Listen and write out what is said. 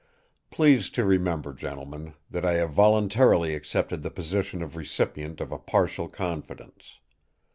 Please to remember, gentlemen, that I have voluntarily accepted the position of recipient of a partial confidence.